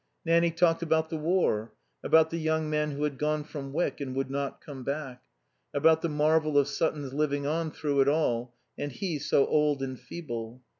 Nanny talked about the war, about the young men who had gone from Wyck and would not come back, about the marvel of Sutton's living on through it all, and he so old and feeble.